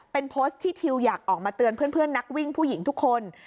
เป็นโพสต์ที่ทิวอยากออกมาเตือนเพื่อนนักวิ่งผู้หญิงทุกคน